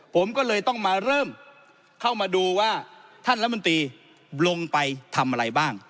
ผมก็เลยต้องมาเริ่มเข้ามาดูว่าท่านรัฐมนตรีลงไปทำอะไรบ้าง